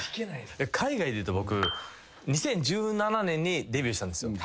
海外でいうと僕２０１７年にデビューしたんですよ。